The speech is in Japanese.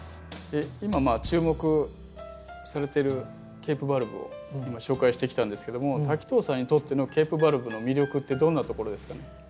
今注目されてるケープバルブを今紹介してきたんですけども滝藤さんにとってのケープバルブの魅力ってどんなところですかね？